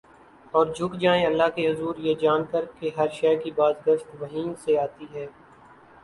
اور جھک جائیں اللہ کے حضور یہ جان کر کہ ہر شے کی باز گشت وہیں سے آتی ہے ۔